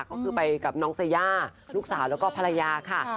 ก็คือไปกับน้องเซย่าลูกสาวแล้วก็ภรรยาค่ะ